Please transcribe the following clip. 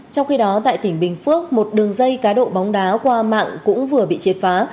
trong khi đó tại tỉnh bình phước một đường dây cá độ bóng đá qua mạng cũng vừa bị triệt phá